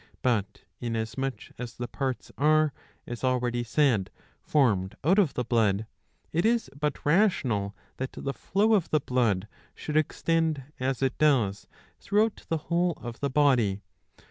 But inasmuch as the parts are, as already said, formed out of the blood, 668a. iii 5 73 it is but rational that the flow of the blood should extend, as it does, throughout the whole of the body.